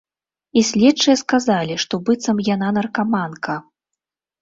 І следчыя сказалі, што быццам яна наркаманка.